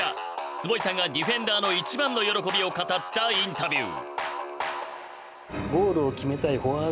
坪井さんがディフェンダーの一番の喜びを語ったインタビュー。